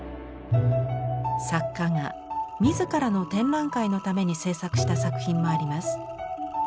作家が自らの展覧会のために制作した作品もあります。